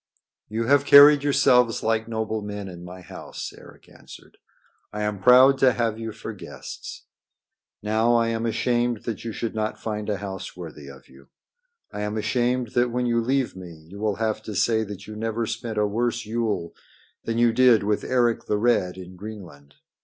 "You have carried yourselves like noble men in my house," Eric answered. "I am proud to have you for guests. Now I am ashamed that you should not find a house worthy of you. I am ashamed that when you leave me you will have to say that you never spent a worse Yule than you did with Eric the Red in Greenland.